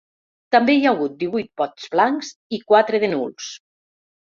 També hi ha hagut divuit vots blancs i quatre de nuls.